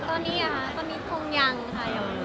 ตอนนี้ฮะตอนนี้คงยังถ่ายมาวันอื่น